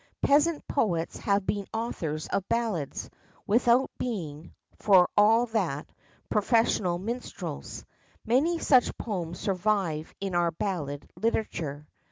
Peasant poets have been authors of ballads, without being, for all that, professional minstrels. Many such poems survive in our ballad literature.